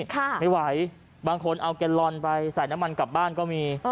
ไม่ไหวบางคนเอาแกนลอนไปใส่น้ำมันกลับบ้านก็มี